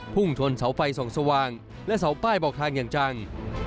พุ่งชนเสาไฟส่องสว่างและเสาป้ายบอกทางอย่างจัง